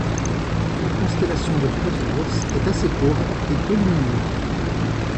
La constellation de la Petite Ourse est assez pauvre et peu lumineuse.